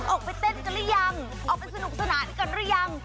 ออกไปเต้นกันหรือยังออกไปสนุกสนานกันหรือยัง